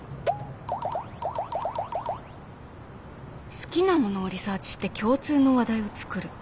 「好きなものをリサーチして共通の話題を作る」。